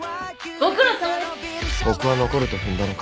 僕は残ると踏んだのか。